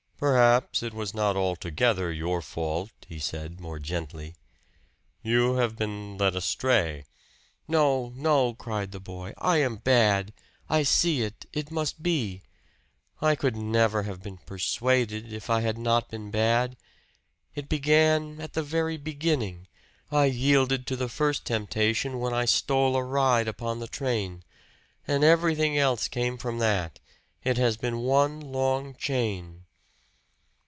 "Perhaps it was not altogether your fault," he said more gently. "You have been led astray " "No, no!" cried the boy. "I am bad. I see it it must be! I could never have been persuaded, if I had not been bad! It began at the very beginning. I yielded to the first temptation when I stole a ride upon the train. And everything else came from that it has been one long chain!"